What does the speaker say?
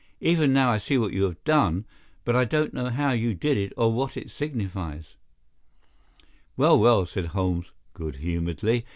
Even now I see what you have done, but I don't know how you did it or what it signifies." "Well, well," said Holmes, good humouredly.